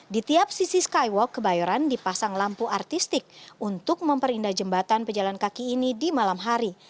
di tiap sisi skywalk kebayoran dipasang lampu artistik untuk memperindah jembatan pejalan kaki ini di malam hari